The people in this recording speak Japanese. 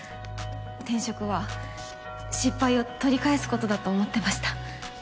転職は失敗を取り返すことだと思ってました。